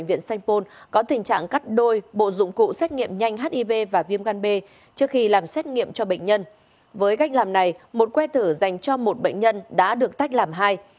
với cách làm này một que thử dành cho một bệnh nhân đã được tách làm hai